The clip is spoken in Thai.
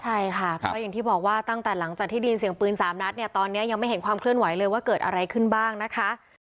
ใช่ค่ะเพราะอย่างที่บอกว่าตั้งแต่หลังจากที่ได้ยินเสียงปืน๓นัดเนี่ยตอนนี้ยังไม่เห็นความเคลื่อนไหวเลยว่าเกิดอะไรขึ้นบ้างนะคะ